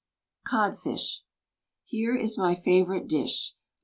COEV FISH Here is my favorite dish.